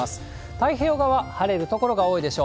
太平洋側、晴れる所が多いでしょう。